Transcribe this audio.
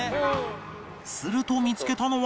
すると見つけたのは